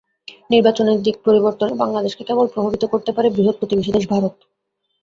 নির্বাচনের দিক পরিবর্তনে বাংলাদেশকে কেবল প্রভাবিত করতে পারে বৃহত্ প্রতিবেশী দেশ ভারত।